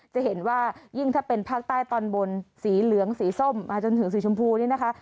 จะเห็นว่ายิ่งถ้าเป็นภาคใต้ตอนบนสีเหลืองสีส้มมาจนถึงสีชมพูนี่นะคะ